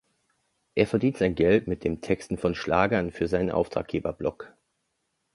Er verdient sein Geld mit dem Texten von Schlagern für seinen Auftraggeber Block.